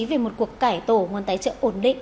về một cuộc cải tổ nguồn tài trợ ổn định